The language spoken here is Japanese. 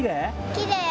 きれい。